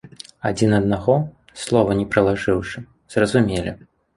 Адзін аднаго, слова не прылажыўшы, зразумелі.